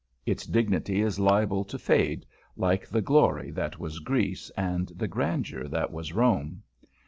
Its dignity is liable to fade, like the glory that was Greece and the grandeur that was Rome.